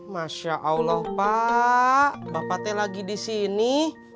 masya allah pak bapak t lagi di sini